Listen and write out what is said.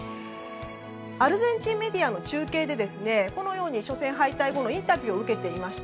アルゼンチンメディアの中継でこのように初戦敗退後のインタビューを受けていました。